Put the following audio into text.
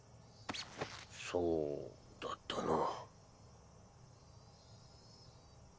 そうだったな。